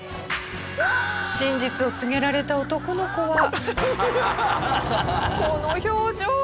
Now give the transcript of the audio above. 真実を告げられた男の子はこの表情！